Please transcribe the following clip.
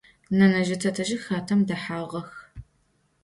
Nenezji tetezji xatem dehağex.